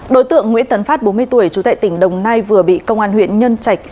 đối tượng nguyễn tấn phát bốn mươi tuổi trú tại tỉnh đồng nai vừa bị công an huyện nhân trạch